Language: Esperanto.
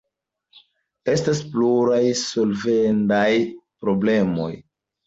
Estas pluraj solvendaj problemoj.